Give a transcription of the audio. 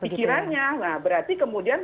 pikirannya berarti kemudian